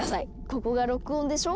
ここが録音でしょ。